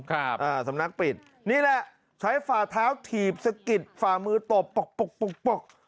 อ่าสำนักปิดนี่แหละใช้ฝ่าเท้าถีบสะกิดฝ่ามือตบปกปกปกปก